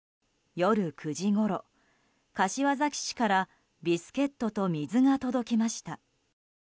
夜９時ごろ、柏崎市からビスケットと水が届きました。